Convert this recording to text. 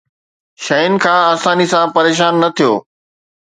شين کان آساني سان پريشان نه ٿيو